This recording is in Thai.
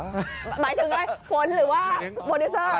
หมายถึงอะไรฝนหรือว่าโปรดิวเซอร์